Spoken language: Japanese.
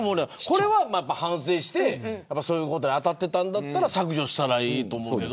これは反省してそういうことに当たっていたなら削除したらええと思うけど。